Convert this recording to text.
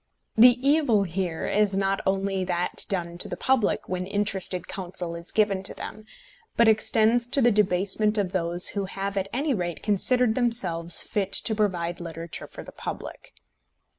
The evil here is not only that done to the public when interested counsel is given to them, but extends to the debasement of those who have at any rate considered themselves fit to provide literature for the public.